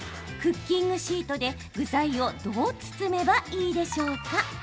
クッキングシートで、具材をどう包めばいいでしょうか？